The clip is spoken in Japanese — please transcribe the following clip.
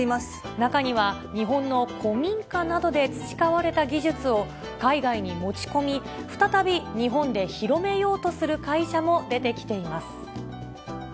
中には、日本の古民家などで培われた技術を海外に持ち込み、再び日本で広めようとする会社も出てきています。